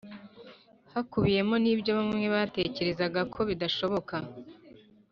hakubiyemo n’ibyo bamwe batekerezaga ko bidashoboka